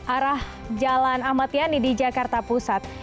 arah jalan amatiani di jakarta pusat